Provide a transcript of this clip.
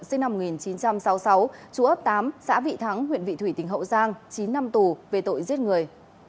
sinh năm một nghìn chín trăm sáu mươi sáu chú ấp tám xã vị thắng huyện vị thủy tỉnh hậu giang chín năm tù về tội giết người